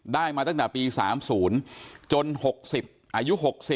ได้มาตั้งแต่ปี๓๐จน๖๐อายุ๖๐